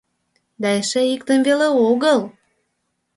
Да эше иктым веле огыл!